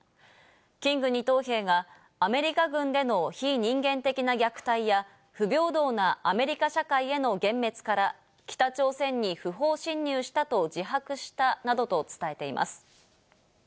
キング２等兵がアメリカ軍での非人間的な虐待や、不平等なアメリカ社会への幻滅から北朝鮮に不法侵入したと自白したなどと伝えています。